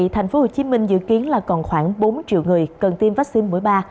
thành phố hồ chí minh dự kiến còn khoảng bốn triệu người cần tiêm vắc xin mũi ba